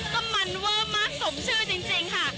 ก็มันเวอร์มากสมชื่อจริงค่ะ